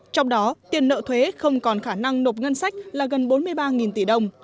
trong đó tiền nợ thuế không còn khả năng nộp ngân sách là gần bốn mươi ba tỷ đồng